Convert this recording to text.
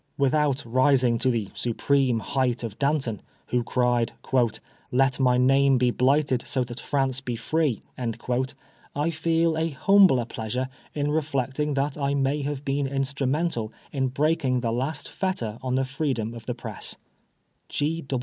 Without rising to the supreme height of Danton, who cried Let my name be blighted so that France be free," I feel a humbler pleasure in reflecting that I may have been instru mental in breakirg the last fetter on the freedom of the press.